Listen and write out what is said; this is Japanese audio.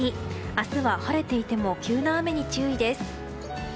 明日は晴れていても急な雨に注意です。